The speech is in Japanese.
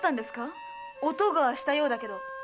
音がしたようだけど〕